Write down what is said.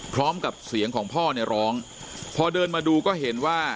พร้อมกับเสียงของพ่อเนี่ยร้องพอเดินมาดูก็เห็นว่า